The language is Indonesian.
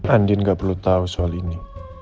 andin gak perlu tahu soal ini